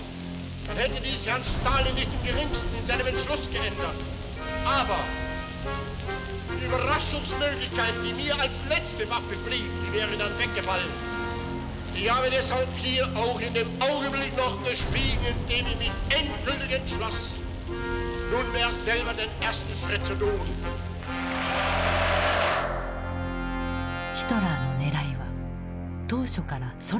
ヒトラーのねらいは当初からソ連だった。